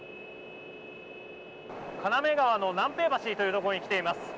金目川の南平橋というところに来ています。